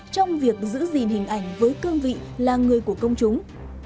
trong việc giữ gìn hình ảnh với cương vị là người của công chúng